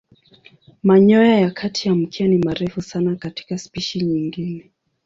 Manyoya ya kati ya mkia ni marefu sana katika spishi nyingine.